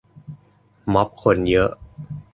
ม๊อบคนเยอะ